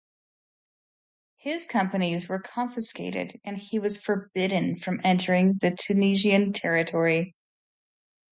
His companies were confiscated and he was forbidden from entering the Tunisian territory.